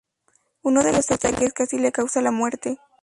Uno de los ataques casi le causa la muerte.